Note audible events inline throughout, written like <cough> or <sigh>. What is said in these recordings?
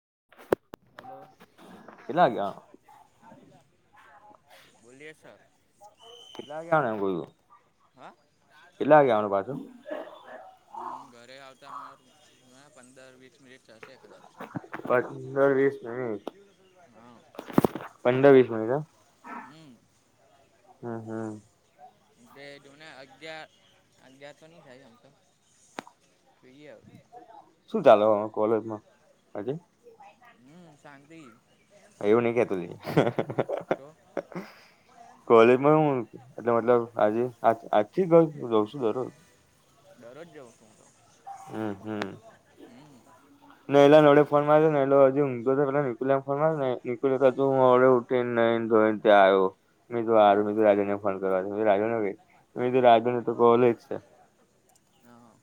<inaudible> Hello કેટલા વાગે બોલએ સર કેટલા ગયાને બોલું કેટલા ગયાને પાછુ હમ ઘરે આવતા મા પંદર વીસ મિનિટ જશે પંદર વીસ મનિટ હા પંદર વીસ મનિટ હ હમ હમ હમ બેઢોને અગયાર અગિયાર તો નહી થાય આમ તો જોઈએ હવે શું ચાલે કોલેજમાં હજી હમ શાંતિ એવું ની કેતો તઈ તો કોલેજમાં હું એટલે મતલબ આજે આજથી ગ હું જઉં છું દરરો દરરોજ જવો છો હમ હમ ને એલા નડે ફોન માર્યો ને એલો હજી ઊંઘતો હતો પેલા નિકુલે એમ ફોન માર્યો ને નિકુલે હજુ હું હવડે ઉઠીને નઈને ધોઈને ત્યાં આવ્યો મેં કીધું હારું હમ મેં કીધું રાજનને ફોન કરવા દે મેં કીધું રાજનને કઈ મેં કીધું રાજનને તો કોલેજ છે હા હા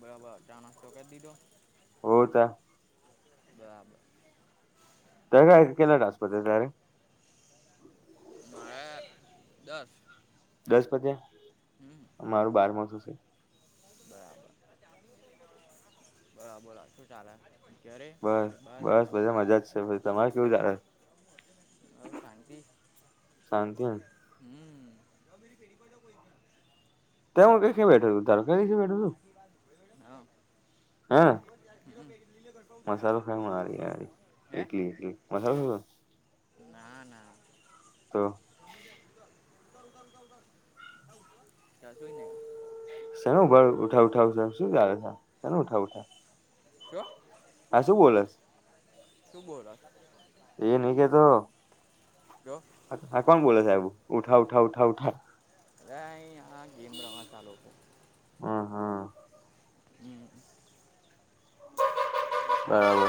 બરાબર ચા નાસ્તો કરી દીધો હો તા બરાબર ત કાય કેટલા ટાસક પતયા તારે મારે દસ દસ હમ પત્યા મારું બારમો થશે બરાબર બરાબર શું ચાલે? ઘેરે બસ કે બાર બસ બેઠા બધા મજા જ છે તમારે કેવું ચાલે બસ શાંતિ શાંતિ. હમ ત હું કઈ બેઠો તું તડકા નીચે બેઠો સુ હા. હા. મસાલો ખાય મારી હારી હે એકલી એકલી મસાલો સ ના ના તો ચશુંય નહી શેનુ ભળ ઉઠાવ ઉઠાવ શું ચ શેનું ઉઠાવ ઉઠાવ શું? આ શું બોલસ શું બોલો એ નઈ કેતો તો હા કોણ બોલે છે હેબું ઉઠા ઉઠા ઉઠા ઉઠા આ અઇ ગેમ રમે સ આ લોકો અ હ હમ હા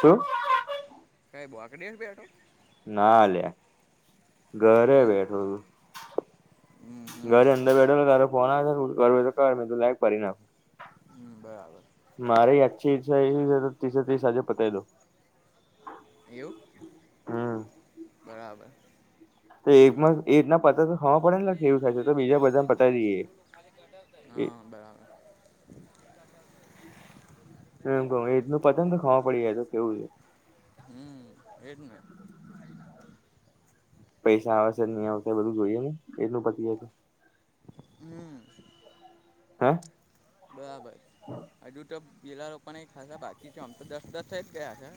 શું? કઈ બોકડે બેઠો ના લ્યા ઘરે હમ બેઠો હમ સુ હમ ઘરે અંદર બેઠો ફોન આવે છે તો મે કીધુ લાય કરી નાખું હમ બરાબર મારે આછી ઈચ્છા એવી છે કે ત્રીસે ત્રીસ આજે પતાઈ દવ એવું બરાબર તો એક્મા એક ના પતે તો ખબર પડેનેલા કેવુ થાય છે તો બીજા બધા પતાવી દઈએ હા બરાબર એમ કહ એકનુ પતે તો ખબર પડે જાય તો કેવું છે હમ એ જ ને <inaudible> પૈસા આવેશે કે નહી આવતા એ બધું જોઈએ ને એટલું પતિ જાય તો હમ હે બરાબર હજુ તો પીલા લોકોને ખાસા બાકી છે ઓમ તો દસ દસ છે જ ગયા છે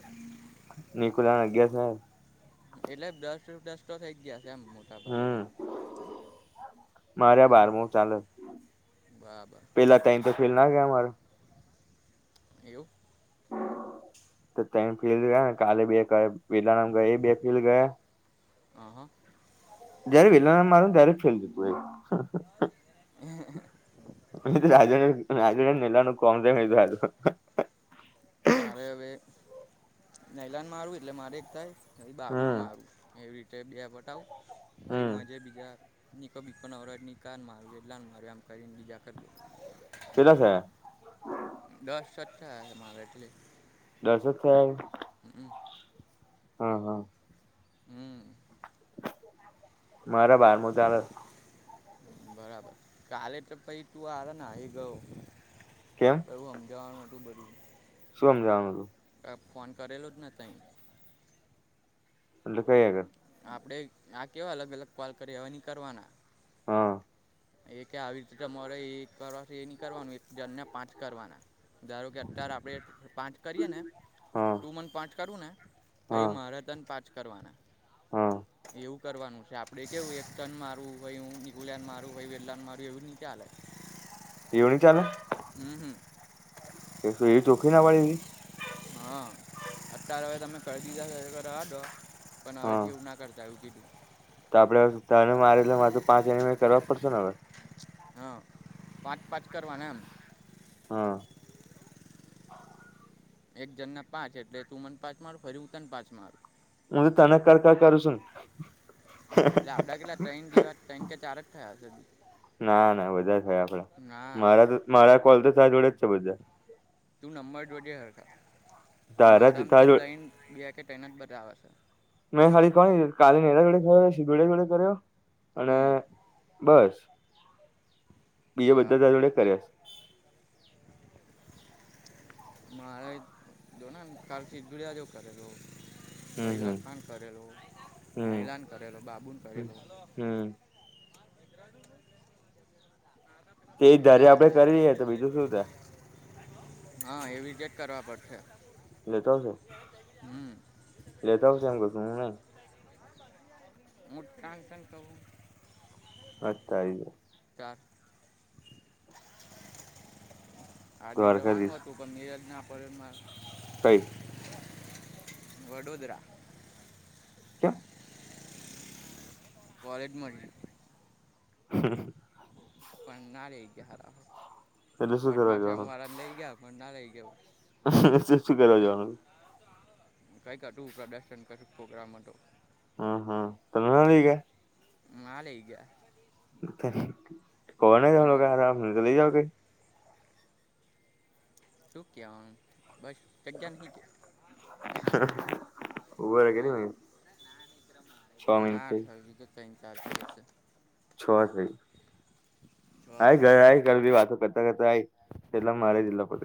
નિકુલયા ના અગિયાર થાયા એટલે દસ દસ તો થઈ ગયા છે એમ મોટા ભાગે હમ બધાને મારે હમ બારમો ચાલે બરાબર પેલા તઈન તો ફેલ ના ગયા માર એવું તો તઈન ફેલ ગયા ને કાલે બે કરયા પેલા ન ગયા એ બે ફેલ ગયા અ હ જયારે પેલાનામા મારુ ત્યારે જ ફેલ જતુ હોય અ તો રાજા <unintelligible> <unintelligible> જ નીલાનું કોમધું હતું મારે હવે નૈલાન મારવું એટલે મારે એક થાય બાબુન હમ મારું એવી રીતે બે ફટાવું ભાઈ હમ હું આજે બી <unintelligible> જાીરત ની ક માર એટલા માર આમ કરીને બીજાર <unintelligible> કેલા થયા વચ્છા મારે એટલે. દસો થયા <unintelligible> હમ. હા હા હમ. મારા બારમો ચારે. બરાબર કાલે તો પછી તું આવે ના હે ગયો. કેમ એવું હમજાવાનું હતું બધું. શું હમજવાનું તું. ત ફોન કરેલો તઈ. અટેલ કઈ આગડ. આપડે આ કેવા અલગ અલગ કોલ કરીએ હવા ન કરવાના. હા. એ કે આવી રીતે તમારે એ કરવા એ ની કરવાનું એક જનને પાંચ કરવાના. ધારો કે અત્યારે આપડે. પાંચ કરીએ ને હા ટુ મન પાંચ કરવું ને હા હાઈ મારે થન પાંચ કરવાના. હા. તુ કરવાનું છે આપડે કેવું એક ટન મારવું <unintelligible> લ મારું વેલા માર એવું ન ચલે એવું નહીં ચાલે. હમ હમ એક શ એવી ચોખી ના વાળી દિદી. હા અત્યારે હવે તમે કર દધા <unintelligible> પણ હા હવે <unintelligible> ના કરતા આવુ કીધ તો આપડે તારે મારે એટલે મારે તો પાંચ એન કરવા જ પડશે ને હવે. હા પાંચ પાંચ કરવાના એમ. હા. એક જણ ને પાંચ એટલે તું મને પાંચ માર ફરી હું તને પાંચ મારું. હુ તને કર કર કરું છુ. એટલે આપડા કેટલા ત્રણ જેવા ત્રણ કે ચાર જ થયા હશે. ના બધા થયા આપડા ના મારા તો મારા કોલ તો ત જોડેજ છે બધા. તું નંબર જોજે <unintelligible> તારા મારામ તો તારા જોડે ત્રણ કે ત્રણ જ બતાવે છે સાડી <unintelligible> કો કાલી રા જોડે કર્યો શિધડિયા જોડે કર્યો અને હમ બસ. બી બરાબર બધા ત જોડે કર્યા છે. મારે જો ને કારચ <unintelligible> દુડિયા જો કરેલો. હમ ભાઈ હમ લખાાન કરેલો હમ મહિલાન કરેલો બાબુને કરેલો. હમ <unintelligible> તે હવે ધારે આપડે આજે. કરી રએ તો બીજું શું ત હા એવીઝેટ કરવા પડશે. લેતા આવશે હમ લેતા આવશે એમ કરતુ હુ નહી. મુટ ટાન્શન કવું <unintelligible> હા તારી જ. આજે જવાનું દ્વારકાધીશ હતું પણ મીરજ ના પડે. કઈ. વડોદરા. કે. કોલેજ મળી. હ ના લઈ એટલે શું કરવા વટમાં જવાનું મારાને લઈ ગયા પણ અમને ના લઈ ગયો શું કરવા જવાનું કઈક હતું પ્રદર્શન કરું પ્રોગ્રામ હત. હમ હમ પંદલીકા. મા લઈ ગયા કોને જા હમ, કે ચ લ જાઓ કે શું કેવાનું બસ ચગગ્યા ન કે ઉભો રે હ કેટલી મિનિટ છ મિનિટ ના થઈ થ વિગતો થઈ જશે છ થઈ. છ હ થઈ ઘરે ગયા આય ઘ બી વાતો કરતા કરતા આય પટલા મારે જલા પ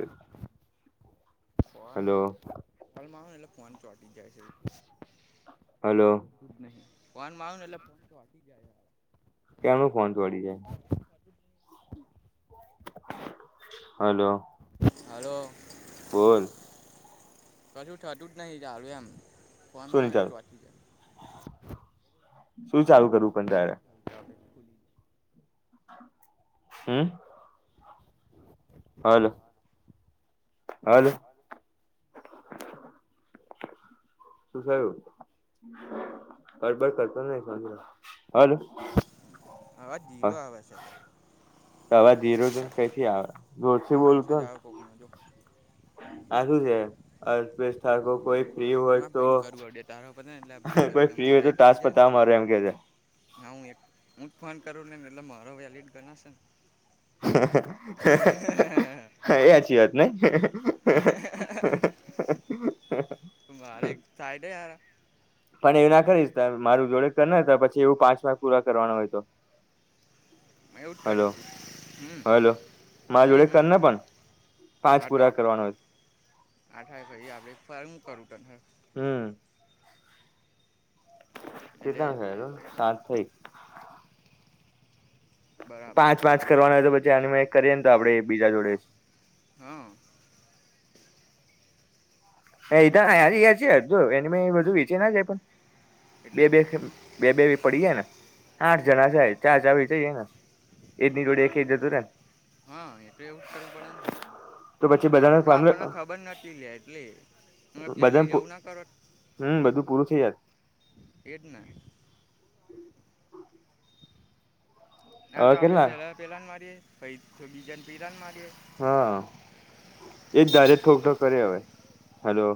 ફનલને એટલે ફોન ચોટી જાય છે એવું હલો ું જ નહી ફોન ને એટલે ફન તો વા જાય કેનું ફહોચ વડી જાય હલો હલો બોલ કશું થતું જ નહી ચાલું એમ ફોન શું નહી ચાલુ તો જ શું ચાલુ કરવું પણ ત્યારે જાય હમ હમ. હાલ હાલ શું થયું હરબર કરતો નહી હલો આવા જીરો આવા છેલા તોવા ધીરોજન કઈથી આવે જોરથી આ બોલતો મેસેજ આવ્યો કોકનો જો આ શું છે અપેશકો કોઈ ફ્રી હોય હું આ તો ભાઈને કરું અડે તારો પતે ને એટલે આ ભાઈને કરું કોઈ ફ્રી હોય તો ટાસ્ક પતાવ મારે એમ કે છે ના હું એક હું જ ફોન કરું ને એટલે મારો વેલિડ ગણાશે ને હ. હા એ સાચી વાત નહ વારે એક સાઈડ યાર પણ એવી ના કરીશ મારું જોડે કર ના પછી એવું પાંચ પાખ પૂરા કરવાનું હોય તો મેં એવું જ હલો કર્યું હમ હલો મા હમ જોડે હમ કરના પણ પાંચ પુરા કરવાનો આઠાઈ ભાઈ આપડે ફું કરું તને હમ. એટલે ચેટલા છે જોસાત થઈ બરાબર પાંચ પાંચ કરવાનો હોય તો પછી આ મે કરીએ ને તો આપડે બીજા જોડે જ હા. હ એધ યાર ય છે જો એને બધું વેચે ના જાય પણ બે એટલે બે બે બેવી પડીએ ને આઠ જણા છે ચાર ચાર વચ ને એદની જોડી એકજ તુંને હા એટ એવું જ કરવું પડેને ભાઈ તો પછી બધાને આપડ તો આપણને ખબર નથી લે એટલે અમે પહેલે બધા જવું ના કરો હમ બધું પૂરું થઇ જત એટ ના ના તો હવે આપડે કેટલા પેલા પેલાને મારીએ પ તો બીજાને પેલા ને મારીએ. હા એજ ધારે થોકઠોક કરે હવે હલો.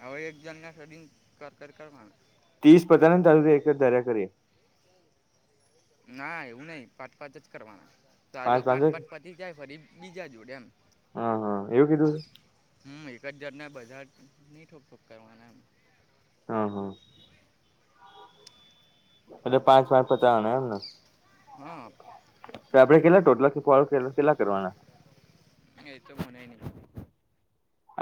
હવે એક જણ ના સડીન કર કર કર મા. ત્રીસ પતાને ચાલુ એક ધર્યા કરી. ના એવું નહીિ પાંચ પાંચ જ કરવાના તો આગે પાંચ પાંચ પાચી જાય ફરી બીજા જોડે એમ. હા હા એવું કીધું છે. બજાર ના બધાર નની ઠોક કરવાના એમ. હા હા. એટલે પાંચ પાંચ પતાવાના એમને. હા. તો આપડે કેટલા ટોટલા કે ફળું કેલા કેટલા કરવાના. એતો મને ન.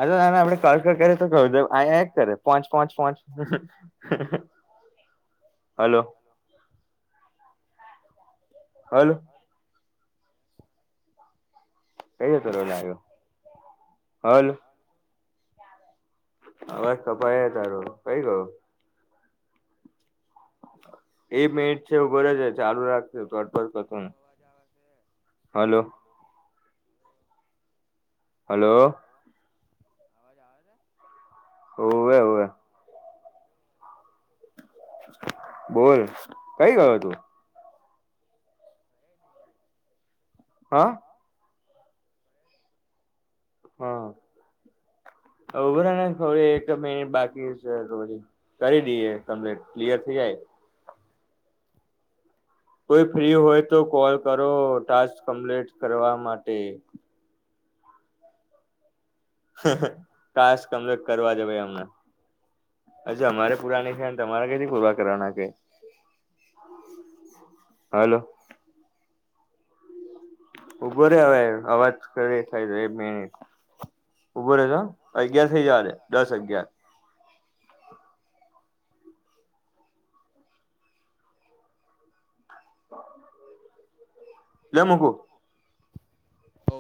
ના આપડે કળક કરે તો ક આય આય કરે પોચ પોહચ પોચ. હલો. હલો. કઈ જતો આવ્યો હલો. અવાજ કપાઈ તારો કઈ ગયો. અવાજ આવે છે <unintelligible> હલો. હલો. અવાજ આવે છે. હોવે હોવે. બોલ કઈ ગયો તું. <inaudible> હા. હા. ઉભોરા ને ખડી એક મિનિટ બાકી છે તો પછી કરી દઈએ કમ્લેટ ક્લિયર થઈ જાય. કોઈ ફ્રી હોય તો કોલ કરો ટાસ્ક કમ્પ્લીટ કરવા માટે. કાસ કમરે કરવા જ ભાઈ અમને. હજુ અમારે પુરાની છે તમારે કઈથી પુરવા કરવાના કે. હલો. ઉભો ર હવે અવાજ કર થાય એક મિનિટ. ઉભો રહેશે અગિયાર થઇ જલે દસ અગયાર. <unintelligible> લે મકું. હો.